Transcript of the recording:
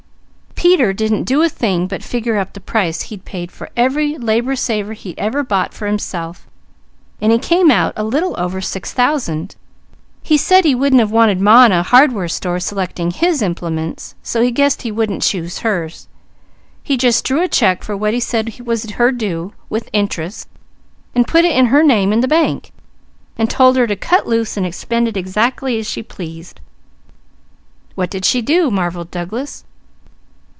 "Peter didn't do a thing but figure up the price he'd paid for every labour saver he ever bought for himself, and he came out a little over six thousand. He said he wouldn't have wanted Ma in a hardware store selecting his implements, so he guessed he wouldn't choose hers. He just drew a check for what he said was her due, with interest, and put it in her name in the bank, and told her to cut loose and spend it exactly as she pleased." "What did she do?" marvelled Douglas.